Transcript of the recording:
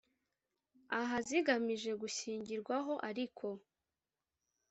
Aha Zigamije Gushingirwaho Ariko